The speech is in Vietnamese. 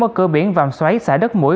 ở cửa biển vàng xoáy xã đất mũi